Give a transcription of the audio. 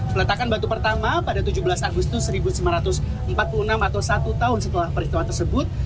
peletakan batu pertama pada tujuh belas agustus seribu sembilan ratus empat puluh enam atau satu tahun setelah peristiwa tersebut